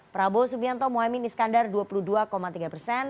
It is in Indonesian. prabowo subianto muhamim niskandar dua puluh dua tiga persen